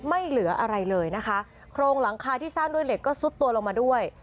ไม่เหลืออะไรเลยนะคะโครงหลังคาที่สร้างด้วยเหล็กก็ซุดตัวลงมาด้วย